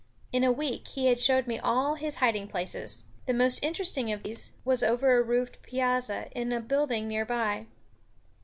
In a week he had showed me all his hiding places. The most interesting of these was over a roofed piazza in a building near by.